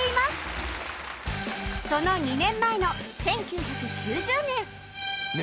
その２年前の１９９０年